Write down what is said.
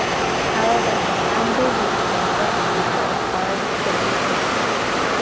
However, AdLib went bankrupt before the card could be produced.